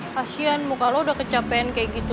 kasian muka lo udah kecapean kayak gitu tuh